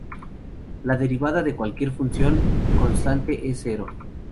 La derivada de cualquier función constante es cero.